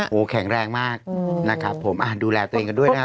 โอ้โหแข็งแรงมากนะครับผมอ่ะดูแลตัวเองกันด้วยนะครับ